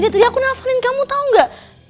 dia tadi aku narfalin kamu tau nggak